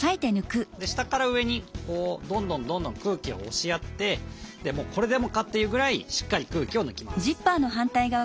下から上にどんどんどんどん空気を押しやってこれでもかっていうぐらいしっかり空気を抜きます。